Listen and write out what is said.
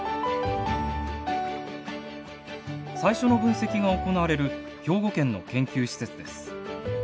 最初の分析が行われる兵庫県の研究施設です。